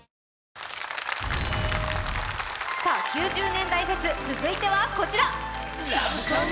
９０年代フェス、続いてはこちら！